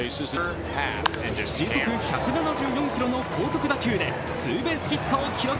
時速１７４キロの高速打球でツーベースヒットを記録。